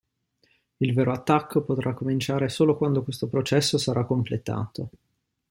Il vero attacco potrà cominciare solo quando questo processo sarà completato.